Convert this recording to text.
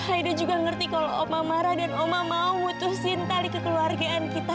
aida juga mengerti kalau oma marah dan oma ingin memutuskan tali keluarga kita